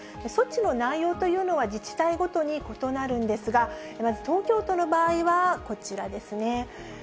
措置の内容というのは自治体ごとに異なるんですが、まず東京都の場合はこちらですね。